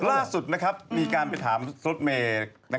ล่าสุดนะครับมีการไปถามรถเมย์